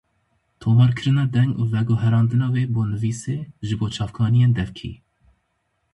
Tomarkirina deng û veguherandina wê bo nivîsê ji bo çavkaniyên devkî